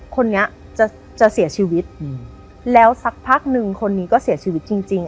คนนี้จะจะเสียชีวิตแล้วสักพักนึงคนนี้ก็เสียชีวิตจริงจริง